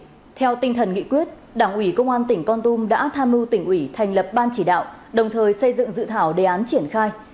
theo tinh thần nghị quyết đảng ủy công an tỉnh con tum đã tham mưu tỉnh ủy thành lập ban chỉ đạo đồng thời xây dựng dự thảo đề án triển khai